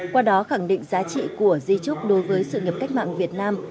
qua đó khẳng định giá trị của di trúc đối với sự nghiệp cách mạng việt nam